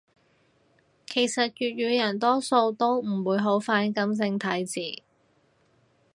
其實粵語人多數都唔會好反感正體字